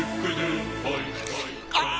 ああ！